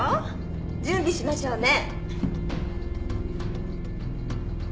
準備しましょうね。